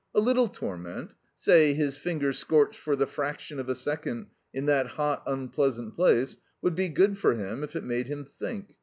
A little torment say, his finger scorched for the fraction of a second in that hot, unpleasant place would be good for him if it made him think.